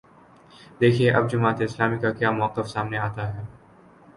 دیکھیے اب جماعت اسلامی کا کیا موقف سامنے آتا ہے۔